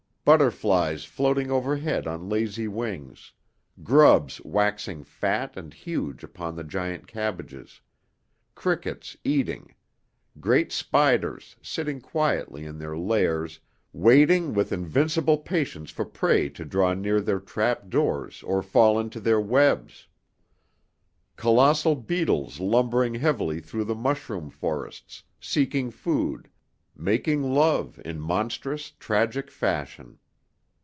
Butterflies floating overhead on lazy wings, grubs waxing fat and huge upon the giant cabbages, crickets eating, great spiders sitting quietly in their lairs waiting with invincible patience for prey to draw near their trap doors or fall into their webs, colossal beetles lumbering heavily through the mushroom forests, seeking food, making love in monstrous, tragic fashion.